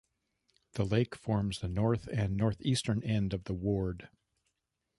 The Lake forms the north and northeastern end of the ward.